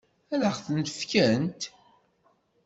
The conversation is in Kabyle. Ad ɣ-ten-fkent?